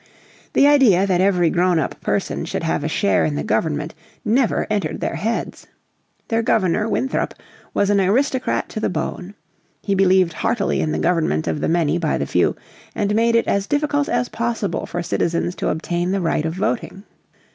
The idea that every grown up person should have a share in the government never entered their heads. Their Governor, Winthrop, was an aristocrat to the backbone. He believed heartily in the government of the many by the few, and made it as difficult as possible for citizens to obtain the right of voting.